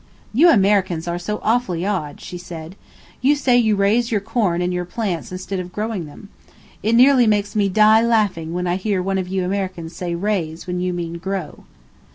"You Americans are so awfully odd," she said. "You say you raise your corn and your plants instead of growing them. It nearly makes me die laughing when I hear one of you Americans say raise when you mean grow."